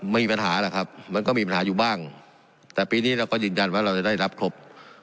มีปัญหาหรอกครับมันก็มีปัญหาอยู่บ้างแต่ปีนี้เราก็ยืนยันว่าเราจะได้รับครบ